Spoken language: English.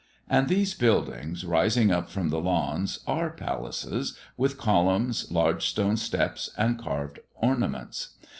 And these buildings, rising up from the lawns, are palaces, with columns, large stone steps, and carved ornaments.